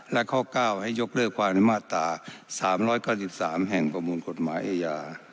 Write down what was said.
และข้อ๙ให้ยกเลิกความในมาตรา๓๙๓แห่งประมวลกฎหมายอาญา